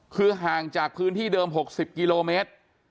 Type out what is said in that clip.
คือห่างจากพื้นที่เดิม๖๐กิโลเมตร